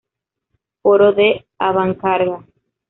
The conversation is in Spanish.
Foro de avancarga